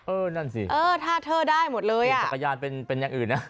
เออนั่นสิมีจักรยานเป็นอย่างอื่นนะ